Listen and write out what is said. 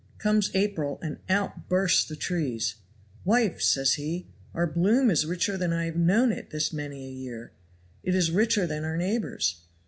Comes April, and out burst the trees. 'Wife,' says he, 'our bloom is richer than I have known it this many a year, it is richer than our neighbors'.'